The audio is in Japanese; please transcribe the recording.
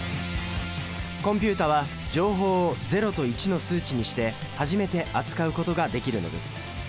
コンピュータは情報を０と１の数値にして初めて扱うことができるのです。